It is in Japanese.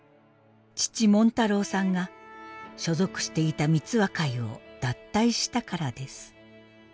父紋太郎さんが所属していた三和会を脱退したからです。